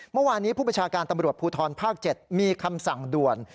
เมื่อวานนี้ผู้ประชาการตำรวจภูทรภาค๗มีคำสั่งด่วน